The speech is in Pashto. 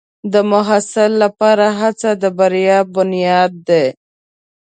د محصل لپاره هڅه د بریا بنیاد دی.